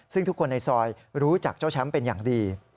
ซึ่งทุกคนในซอยรู้จักเจ้าแชมป์เป็นอย่างดี